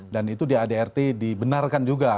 dan itu di adrt dibenarkan juga